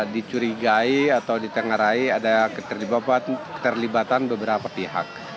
dicurigai atau ditengarai ada keterlibatan beberapa pihak